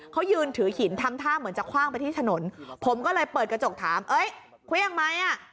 เขายืนถือหินทำท่าเหมือนจะคว่างไปที่ถนนผมก็เลยเปิดกระจกถามเอ้ยเครื่องไหมอ่ะ